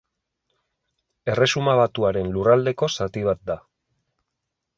Erresuma Batuaren lurraldeko zati bat da.